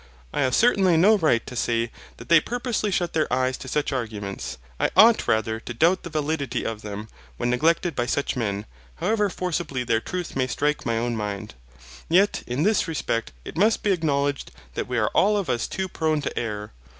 I have certainly no right to say that they purposely shut their eyes to such arguments. I ought rather to doubt the validity of them, when neglected by such men, however forcibly their truth may strike my own mind. Yet in this respect it must be acknowledged that we are all of us too prone to err.